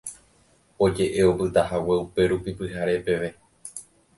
Oje'e opytahague upérupi pyhare peve